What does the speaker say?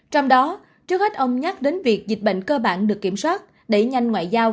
trong đó trước hết ông nhắc đến việc dịch bệnh cơ bản được kiểm soát đẩy nhanh ngoại giao